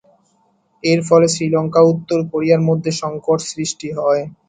এর ফলে শ্রীলঙ্কা ও উত্তর কোরিয়ার মধ্যে সংকট সৃষ্টি হয়।